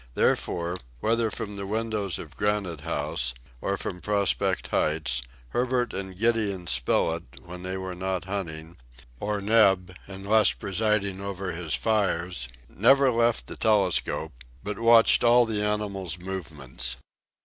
Therefore, whether from the windows of Granite House, or from Prospect Heights, Herbert and Gideon Spilett, when they were not hunting, or Neb, unless presiding over his fires, never left the telescope, but watched all the animal's movements.